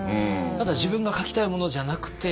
ただ自分が書きたいものじゃなくて。